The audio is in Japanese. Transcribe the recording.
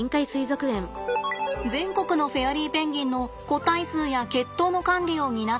全国のフェアリーペンギンの個体数や血統の管理を担っています。